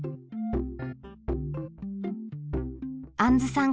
あんずさん